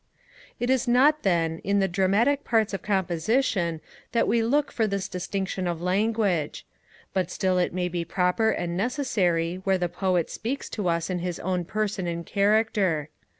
It is not, then, in the dramatic parts of composition that we look for this distinction of language; but still it may be proper and necessary where the Poet speaks to us in his own person and character.